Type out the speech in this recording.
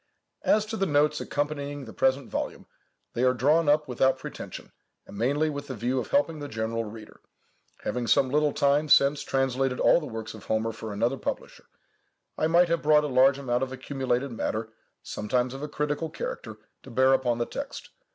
As to the Notes accompanying the present volume, they are drawn up without pretension, and mainly with the view of helping the general reader. Having some little time since translated all the works of Homer for another publisher, I might have brought a large amount of accumulated matter, sometimes of a critical character, to bear upon the text.